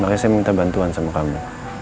makanya saya minta bantuan sama kamu